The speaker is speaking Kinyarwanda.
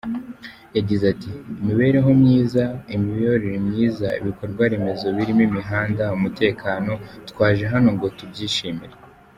Yagize ati “ Imibereho myiza, imiyoborere myiza, ibikorwaremezo birimo imihanda, umutekano, twaje hano ngo tubyishimire.